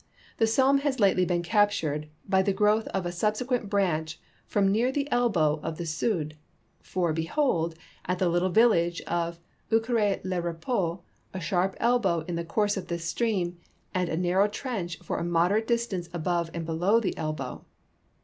The Somme has latel}'' been captured i)y the growth of a subsequent branch from near the elbow of the Soude; for, behold, at the little village of Ecury le Repos a sharp elbow in the course of this stream and a narrow trench for a moderate distance above and below the elbow.